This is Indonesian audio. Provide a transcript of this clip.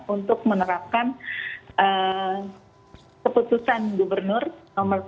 untuk menerapkan keputusan gubernur nomor seribu tiga ratus sembilan puluh lima